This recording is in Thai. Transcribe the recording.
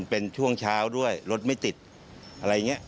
เป็นช่วงเช้าด้วยรถไม่ติดอะไรอย่างนี้